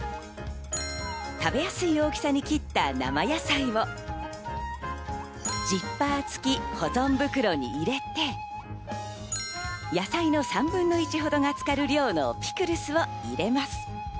食べやすい大きさに切った生野菜をジッパー付き保存袋に入れて、野菜の３分の１ほどが浸かる量のピクル酢を入れます。